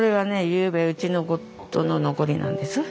ゆうべうちの残りなんです。